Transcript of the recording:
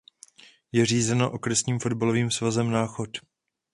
Je řízena Okresním fotbalovým svazem Náchod.